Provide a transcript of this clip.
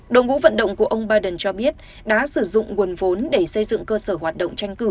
đồng ngũ vận động của ông biden cho biết đã sử dụng nguồn vốn để xây dựng cơ sở hoạt động tranh cử